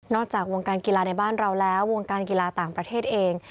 จากวงการกีฬาในบ้านเราแล้ววงการกีฬาต่างประเทศเอง